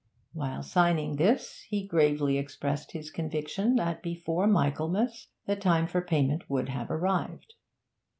While signing this, he gravely expressed his conviction that before Michaelmas the time for payment would have arrived.